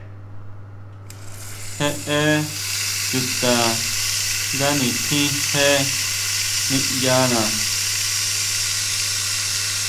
Jeʼe chuta nga nitjín je niʼyana.